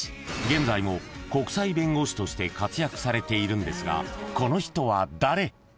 現在も国際弁護士として活躍されているんですがこの人は誰？］